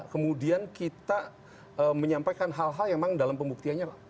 kita menyampaikan hal hal yang memang dalam pembuktianya